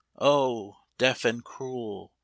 O deaf and cruel !